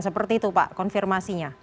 seperti itu pak konfirmasinya